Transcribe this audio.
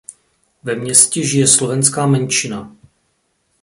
Ve městě žije slovenská menšina.